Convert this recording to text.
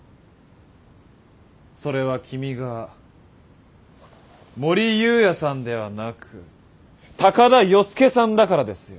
それは君が母里由也さんではなく高田与助さんだからですよ。